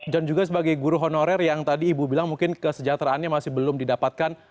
dan juga sebagai guru honorer yang tadi ibu bilang mungkin kesejahteraannya masih belum didapatkan